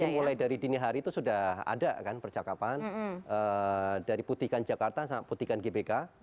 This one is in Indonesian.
jadi mulai dari dini hari itu sudah ada kan percakapan dari putihkan jakarta sama putihkan gbk